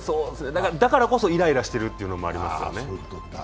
だからこそイライラしてるっていうのはありますよね。